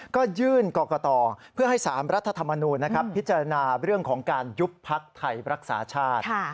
ก็ยื่นกรกตเพื่อให้๓รัฐธรรมนูญพิจารณาเรื่องของการยุบพักไทยรักษาชาติ